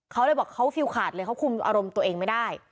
เขาเลยบอกเขาฟิลขาดเลยเขาคุมอารมณ์ตัวเองไม่ได้